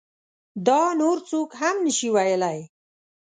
دا نور څوک هم نشي ویلی.